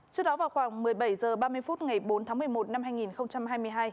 trước đó vào khoảng một mươi bảy h ba mươi phút ngày bốn tháng một mươi một năm hai nghìn hai mươi hai